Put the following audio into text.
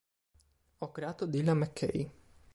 Ho creato Dylan McKay.